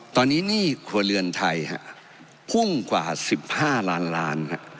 ตอนนี้หนี้ครัวเรือนไทยพุ่งกว่า๑๕ล้านล้าน